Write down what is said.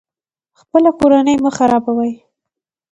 خپله کورنۍ مه خرابوئ